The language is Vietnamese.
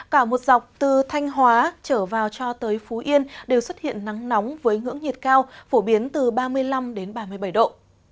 cả một dọc từ thanh hóa trở vào cho tới phú yên đều xuất hiện nắng nóng với ngưỡng nhiệt cao phổ biến từ ba mươi năm đến ba mươi bảy độ